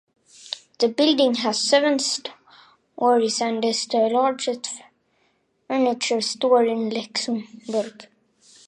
The building has seven storeys and is the largest furniture store in Luxembourg.